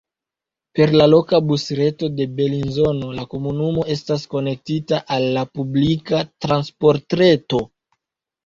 Per la loka busreto de Belinzono la komunumo estas konektita al la publika transportreto.